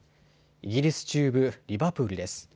イギリス中部リバプールです。